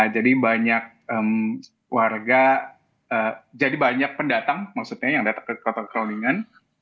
jadi banyak warga jadi banyak pendatang maksudnya yang datang ke kota kroningen